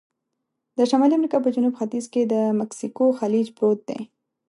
د شمالي امریکا په جنوب ختیځ کې د مکسیکو خلیج پروت دی.